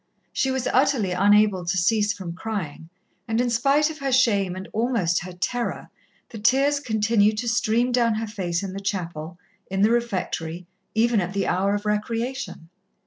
She was utterly unable to cease from crying, and in spite of her shame and almost her terror, the tears continued to stream down her face in the chapel, in the refectory, even at the hour of recreation.